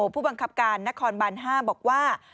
ผู้บังคับการนครบัน๕บอกว่า